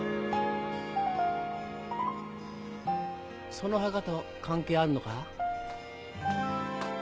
その墓と関係あるのか？